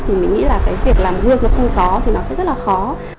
thì mình nghĩ là cái việc làm gương nó không có thì nó sẽ rất là khó